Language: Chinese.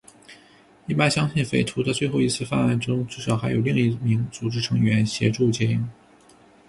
一般相信匪徒的最后一次犯案中至少还有另一名组织成员协助接应。